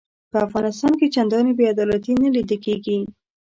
په افغانستان کې چنداني بې عدالتي نه لیده کیږي.